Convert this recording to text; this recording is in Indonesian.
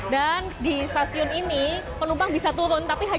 dan di stasiun ini penumpang bisa turun